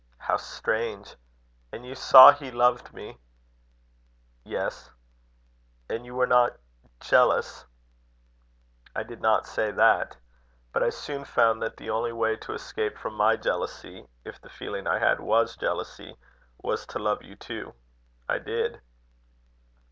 "How strange! And you saw he loved me?" "Yes." "And you were not jealous?" "I did not say that. But I soon found that the only way to escape from my jealousy, if the feeling I had was jealousy, was to love you too. I did."